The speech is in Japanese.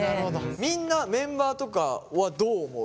みんなメンバーとかはどう思う？